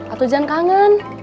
atau jangan kangen